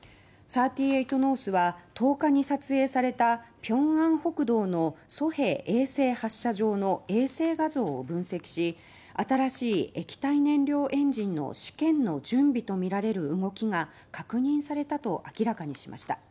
「３８ノース」は１０日に撮影された平安北道の西海衛星発射場の衛星画像を分析し新しい液体燃料エンジンの試験の準備とみられる動きが確認されたと明らかにしました。